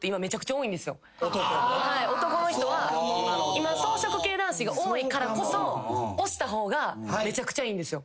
今草食系男子が多いからこそ押した方がめちゃくちゃいいんですよ。